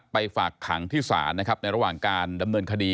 ฝากขังที่ศาลนะครับในระหว่างการดำเนินคดี